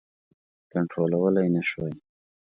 کنټرولولای نه شوای.